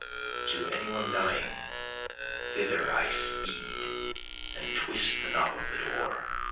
To any one dying, thither I speed and twist the knob of the door.